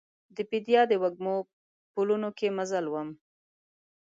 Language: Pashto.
د بیدیا د وږمو پلونو کې مزل وم